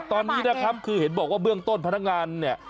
ตอนนี้นะครับคือเห็นบอกว่าเบื้องต้นพนักงานเนี่ย